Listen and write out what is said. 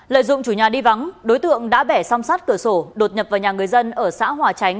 lợi dụng chủ nhà đi vắng đối tượng đã bẻ xóm sát cửa sổ đột nhập vào nhà người dân ở xã hòa chánh